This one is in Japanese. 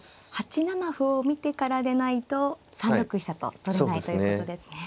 ８七歩を見てからでないと３六飛車と取れないということですね。